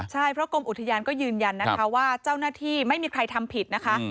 ใช่เพราะกรมอุทยานก็ยืนยันนะคะว่าเจ้าหน้าที่ไม่มีใครทำผิดนะคะ